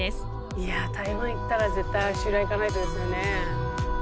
いや台湾行ったら絶対足裏行かないとですよね。